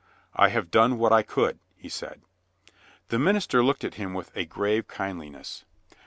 "I have done what I could," he said. The minister looked at him with a grave kindli ness.